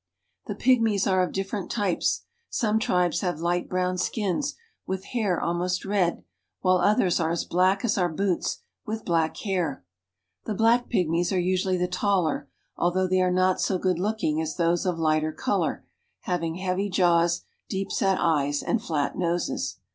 The pygmies are of different types. Some tribes have light brown skins, with hair almost red, while others are as black as our boots, with black hair. The black pygmies are usually the taller, although they are not so good look ing as those of lighter color, having heavy jaws, deep set eyes, and flat noses.